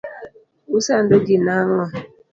Usando ji nang'o?